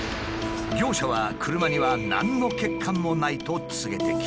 業者は車には何の欠陥もないと告げてきた。